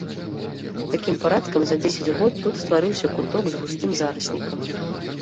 Такім парадкам за дзесяць год тут стварыўся куток з густым зараснікам.